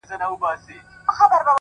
ستا وه ځوانۍ ته دي لوگى سمه زه;